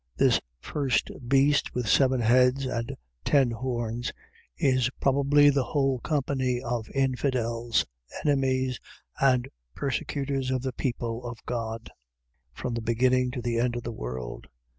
. .This first beast with seven heads and ten horns, is probably the whole company of infidels, enemies and persecutors of the people of God, from the beginning to the end of the world.